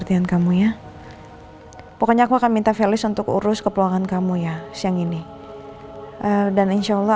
tidak ada sayangnya saat mereka daging kuih